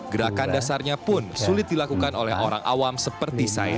gerakan dasarnya pun sulit dilakukan oleh orang awam seperti saya